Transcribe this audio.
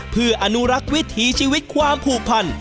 เพื่ออนุรักษ์วิถีชีวิตความผูกพัน